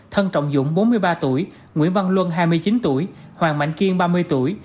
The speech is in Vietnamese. thân trọng dũng bốn mươi ba tuổi nguyễn văn luân hai mươi chín tuổi hoàng mạnh kiên ba mươi tuổi